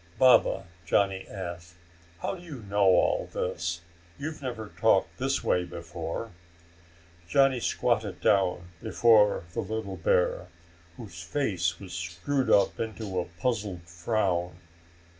"Baba," Johnny asked, "how do you know all this? You've never talked this way before." Johnny squatted down before the little bear, whose face was screwed up into a puzzled frown.